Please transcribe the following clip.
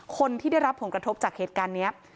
คนที่ได้รับผลกระทบจากเหตุการณ์นี้